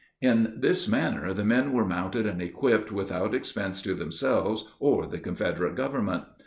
In this manner the men were mounted and equipped without expense to themselves or the Confederate Government.